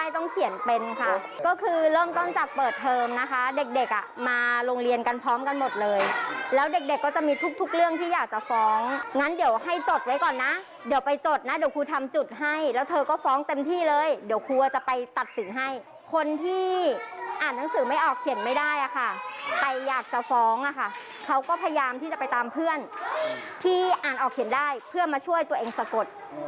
ที่จะไปตามเพื่อนที่อ่านออกเขียนได้เพื่อมาช่วยตัวเองสะกด